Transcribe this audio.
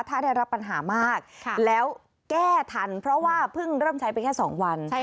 ถ้าได้รับปัญหามากแล้วแก้ทันเพราะว่าเพิ่งเริ่มใช้ไปแค่๒วัน